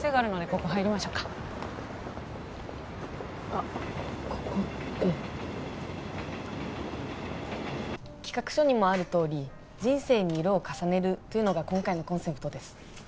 ここって企画書にもあるとおり人生に色を重ねるというのが今回のコンセプトです